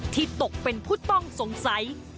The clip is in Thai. ตกเป็นผู้ต้องสงสัย